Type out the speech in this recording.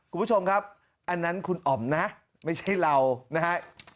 คุณผู้ชมครับอันนั้นคุณอ๋อมนะไม่ใช่เรานะฮะ